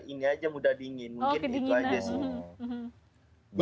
ini aja mudah dingin mungkin itu aja ya kak oke dingin ya